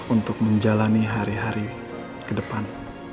untuk menjalani hari hari ke depan